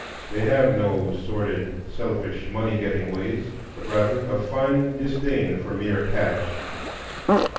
They have no sordid, selfish, money getting ways, but rather a fine disdain for mere cash.